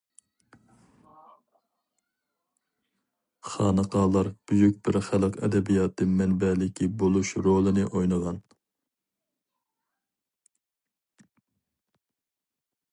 خانىقالار بۈيۈك بىر خەلق ئەدەبىياتى مەنبەلىكى بولۇش رولىنى ئوينىغان.